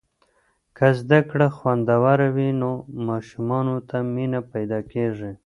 که زده کړه خوندوره وي، نو ماشومانو ته مینه پیدا کیږي.